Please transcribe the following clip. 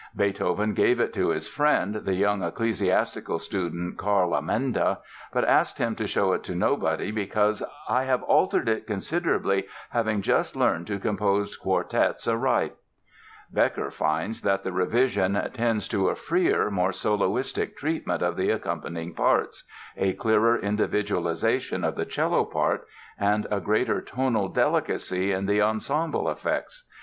Beethoven gave it to his friend, the young ecclesiastical student Carl Amenda, but asked him to show it to nobody because "I have altered it considerably, having just learned to compose quartets aright." Bekker finds that the revision "tends to a freer, more soloistic treatment of the accompanying parts, a clearer individualization of the cello part and a greater tonal delicacy in the ensemble effects....